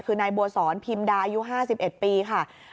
คือนายบัวสอนพิมดาอายุ๕๑ปีค่ะ